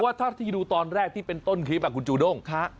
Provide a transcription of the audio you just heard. เท่าที่ดูตอนแรกที่เป็นต้นคลิปคุณจูด้ง